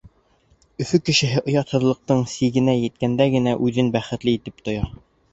Өфө кешеһе оятһыҙлыҡтың сигенә еткәндә генә үҙен бәхетле итеп тоя.